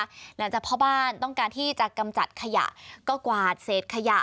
หลังจากพ่อบ้านต้องการที่จะกำจัดขยะก็กวาดเศษขยะ